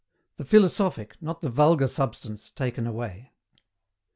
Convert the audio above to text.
THE PHILOSOPHIC, NOT THE VULGAR SUBSTANCE, TAKEN AWAY.